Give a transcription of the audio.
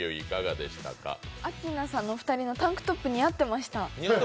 アキナさんの２人、タンクトップ似合ってました。